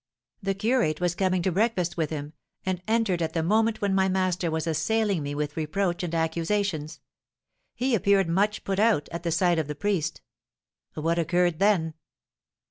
The curate was coming to breakfast with him, and entered at the moment when my master was assailing me with reproach and accusations. He appeared much put out at the sight of the priest." "What occurred then?"